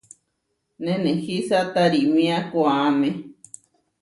Nenehísa tarímia koʼáme.